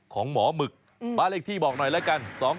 ของหมอหมึกบ้านเลขที่บอกหน่อยแล้วกัน